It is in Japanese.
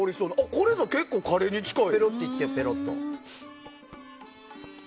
これぞ結構カレーに近い。